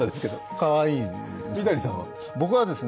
かわいいですね。